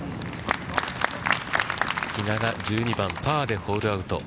比嘉が１２番、パーでホールアウト。